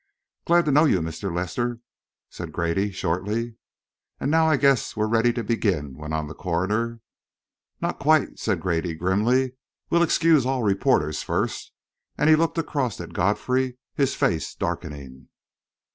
"Glad to know you, Mr. Lester," said Grady, shortly. "And now, I guess, we're ready to begin," went on the coroner. "Not quite," said Grady, grimly. "We'll excuse all reporters, first," and he looked across at Godfrey, his face darkening.